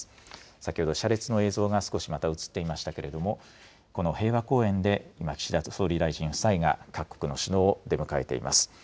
先ほど車列の映像がまた少し映っていましたけれども、この平和公園で今、岸田総理大臣夫妻が各国の首脳を出迎えています。